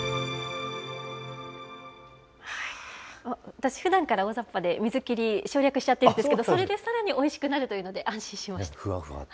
私、ふだんから大ざっぱで、水切り省略しちゃってるんですけど、それでさらにおいしくなるとふわふわとね。